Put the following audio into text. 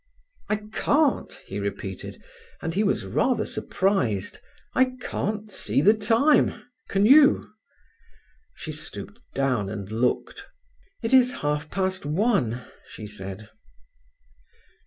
"I can't," he repeated, and he was rather surprised—"I can't see the time. Can you?" She stooped down and looked. "It is half past one," she said.